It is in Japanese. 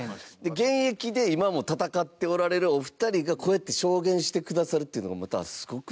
現役で今も戦っておられるお二人が、こうやって証言してくださるっていうのがまた、すごくないですか？